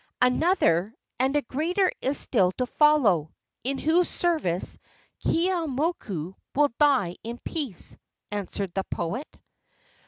"Another and a greater is still to follow, in whose service Keeaumoku will die in peace," answered the poet.